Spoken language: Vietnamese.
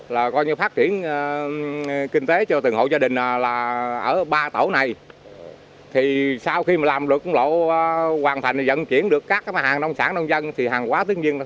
là coi như phát triển hàng hóa